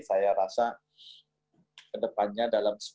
saya rasa ke depannya dalam sepanjangnya